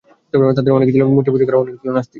তাদের অনেকেই ছিল মূর্তিপূজক আর অনেকই ছিল নাস্তিক।